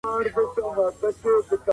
دا تړل له هغې ضروري دي.